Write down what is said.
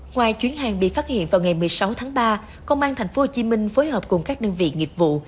ngoài chuyến hàng bị phát hiện vào ngày một mươi sáu tháng ba công an tp hcm phối hợp cùng các đơn vị nghiệp vụ